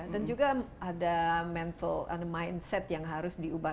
dan juga ada mental ada mindset yang harus diubah